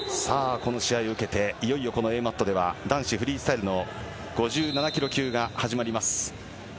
この試合を受けていよいよＡマットでは男子フリースタイルの５７ｋｇ級が始まります。